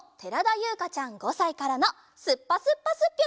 ゆうかちゃん５さいからの「すっぱすっぱすっぴょ！」